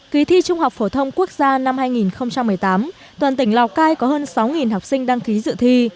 kỳ thi trung học phổ thông quốc gia năm hai nghìn một mươi tám toàn tỉnh lào cai có hơn sáu học sinh đăng ký dự thi